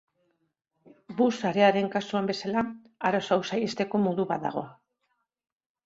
Bus sarearen kasuan bezala, arazo hau saihesteko modu bat dago.